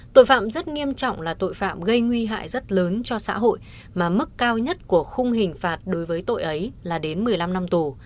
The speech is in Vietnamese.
tội phạm rất nghiêm trọng là tội phạm gây nguy hại rất lớn cho xã hội mà mức cao nhất của khung hình phạt đối với tội ấy là đến một mươi năm năm tù